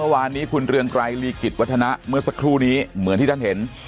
วันนี้คุณเรืองไกรรีศวรรษนะมืดสักครู่นี้เหมือนที่ท่านเห็น